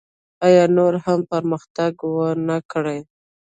آیا نور هم پرمختګ ونکړي؟